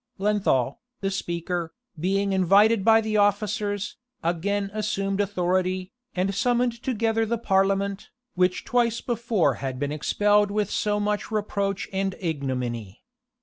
Lenthal, the speaker, being invited by the officers, again assumed authority, and summoned together the parliament, which twice before had been expelled with so much reproach and ignominy.